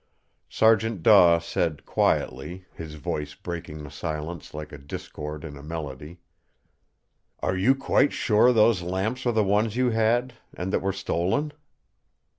Sergeant Daw said quietly, his voice breaking the silence like a discord in a melody: "Are you quite sure those lamps are the ones you had, and that were stolen?"